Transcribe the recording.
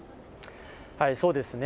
そうですね。